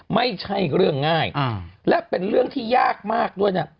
ไม่ใช่เรื่องง่ายและเป็นเรื่องที่ยากมากด้วยนะ